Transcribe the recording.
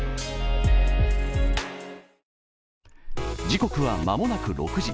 時刻は間もなく６時。